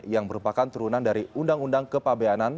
yang merupakan turunan dari undang undang kepabeanan